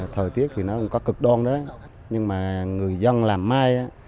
thời tiết thì nó cũng có cực đong đấy nhưng mà người dân làm mai